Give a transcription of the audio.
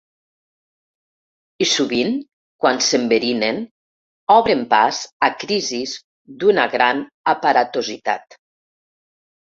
I sovint, quan s’enverinen, obren pas a crisis d’una gran aparatositat.